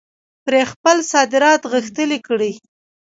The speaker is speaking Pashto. پرې خپل صادرات غښتلي کړي.